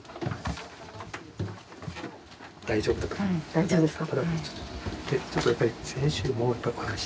大丈夫ですか。